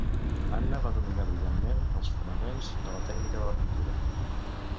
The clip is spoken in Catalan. Anna va dominar brillantment els fonaments de la tècnica de la pintura.